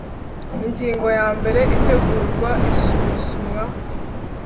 Ingingo ya mbere Itegurwa isuzumwa